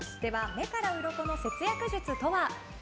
目からウロコの節約術とは？